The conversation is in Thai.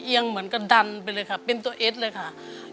เหมือนกระดันไปเลยค่ะเป็นตัวเอ็ดเลยค่ะ